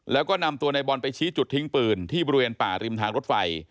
แล้วก็นำตัวในบอลไปชี้จุดทิ้งปืนที่บริเวณป่าริมทางรถไฟ